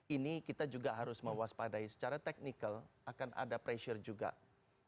ini kita juga harus mewaspadai secara teknikal akan ada pressure juga